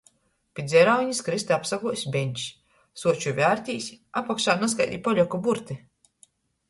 Pi dzeraunis krysta apsaguozs beņčs. Suoču vērtīs, apakšā nazkaidi poļaku burti.